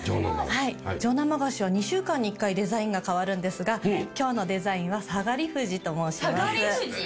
上生菓子は２週間に１回デザインが変わるんですが今日のデザインは下がり藤と申します。